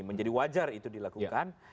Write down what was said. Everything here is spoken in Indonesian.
menjadi wajar itu dilakukan